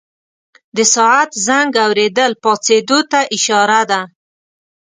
د ساعت زنګ اورېدل پاڅېدو ته اشاره ده.